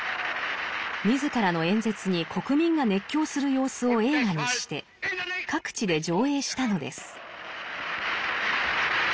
自らの演説に国民が熱狂する様子を映画にして各地で上映したのです。